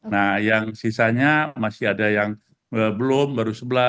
nah yang sisanya masih ada yang belum baru sebelas